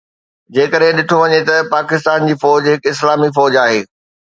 جيڪڏهن ڏٺو وڃي ته پاڪستان جي فوج هڪ اسلامي فوج آهي